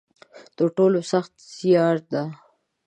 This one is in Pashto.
تر ټولو سخته زیاړه ده.